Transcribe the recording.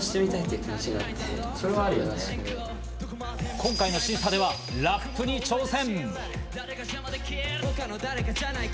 今回の審査ではラップに挑戦。